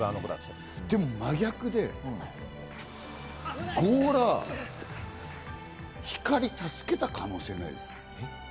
でも真逆で、強羅、光莉助けた可能性ないですか？